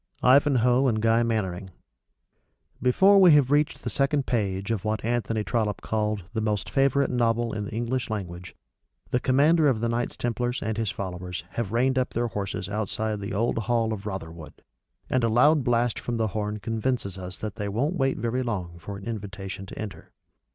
IVANHOE AND GUY MANNERING _Before we have reached the second page of what Anthony Trollope called "the most favorite novel in the English language," the Commander of the Knights Templars and his followers have reined up their horses outside the old hall of Rotherwood, and a loud blast from the horn convinces us that they won't wait very long for an invitation to enter.